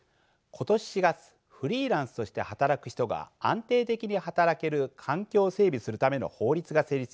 今年４月フリーランスとして働く人が安定的に働ける環境を整備するための法律が成立しました。